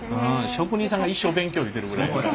職人さんが一生勉強言うてるぐらいやから。